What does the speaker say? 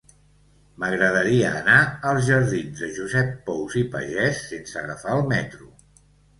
M'agradaria anar als jardins de Josep Pous i Pagès sense agafar el metro.